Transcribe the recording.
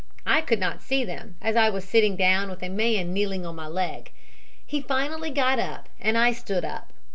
I could not see them, as I was sitting down with a man kneeling on my leg. He finally got up and I stood up.